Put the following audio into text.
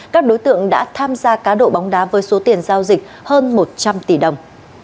các đối tượng đã tham gia cá độ bóng đá với số tiền giao dịch hơn một trăm linh tỷ đồng